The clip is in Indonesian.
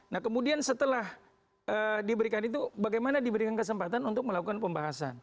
nah kemudian setelah diberikan itu bagaimana diberikan kesempatan untuk melakukan pembahasan